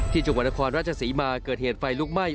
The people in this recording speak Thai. จังหวัดนครราชศรีมาเกิดเหตุไฟลุกไหม้